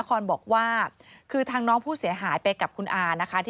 โปรดติดตามต่างกรรมโปรดติดตามต่างกรรม